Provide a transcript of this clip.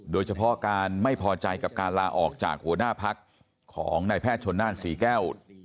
โดยเฉพาะการไม่พอใจกับการลาออกจากหัวหน้าพักของนายแพทย์ชนนั่นศรีแก้ว